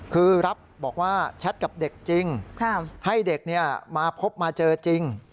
คือรับบอกว่าแชทกับเด็กจริงให้เด็กมาพบมาเจอจริง